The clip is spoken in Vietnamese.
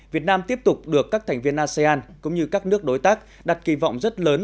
việt nam tiếp tục được các thành viên asean cũng như các nước đối tác đặt kỳ vọng rất lớn